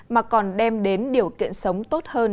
mà còn đem đến điều kiện sống tốt hơn